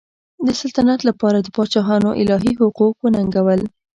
د سلطنت لپاره د پاچاهانو الهي حقوق وننګول.